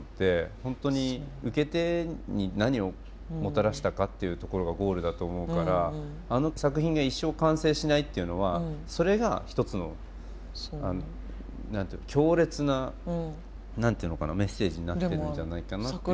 本当に受け手に何をもたらしたかっていうところがゴールだと思うからあの作品が一生完成しないっていうのはそれが一つの何て言うの強烈な何て言うのかなメッセージになってるんじゃないかなっていう。